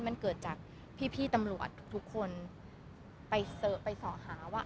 มันเกิดจากพี่ตำรวจทุกคนไปส่อหาว่า